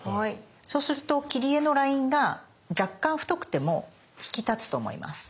そうすると切り絵のラインが若干太くても引き立つと思います。